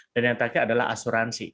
dan yang terakhir adalah asuransi